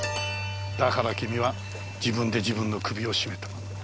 だから君は自分で自分の首を絞めた。